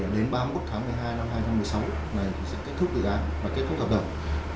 đến ba mươi một tháng một mươi hai năm hai nghìn một mươi sáu này sẽ kết thúc dự án và kết thúc hợp đồng